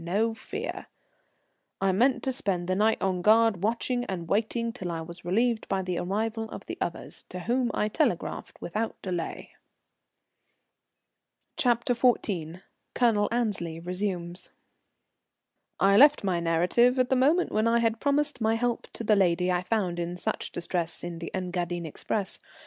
No fear." I meant to spend the night on guard, watching and waiting till I was relieved by the arrival of the others, to whom I telegraphed without delay. CHAPTER XIV. [Colonel Annesley resumes.] I left my narrative at the moment when I had promised my help to the lady I found in such distress in the Engadine express.